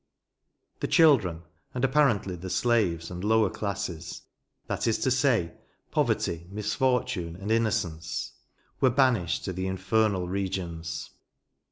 The children, and apparently the slaves, and lower classes, that is to say, poverty, misfortune, and innocence, were banished to the infernal regions.